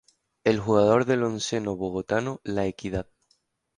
El jugador del onceno bogotano La Equidad.